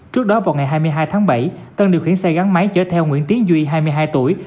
trước đó vào ngày hai mươi hai tháng bảy tân điều khiển xe gắn máy chở theo nguyễn tiến duy hai mươi hai tuổi